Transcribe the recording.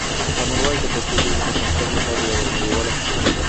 کامن وایس د پښتو ژبې د پرمختګ لپاره یوه نړیواله پروژه ده.